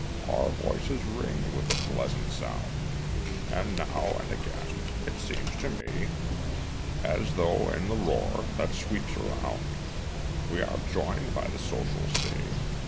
Our voices ring with a pleasant sound, And now and again it seems to me As though in the roar that sweeps around We are joined by the social sea.